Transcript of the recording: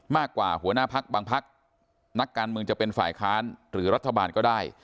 หัวหน้าพักบางพักนักการเมืองจะเป็นฝ่ายค้านหรือรัฐบาลก็ได้